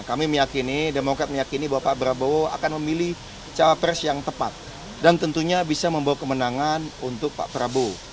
kami meyakini demokrat meyakini bahwa pak prabowo akan memilih cawapres yang tepat dan tentunya bisa membawa kemenangan untuk pak prabowo